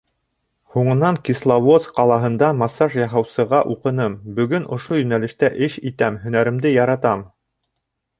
Һуңынан Кисловодск ҡалаһында массаж яһаусыға уҡыным, бөгөн ошо йүнәлештә эш итәм, һөнәремде яратам...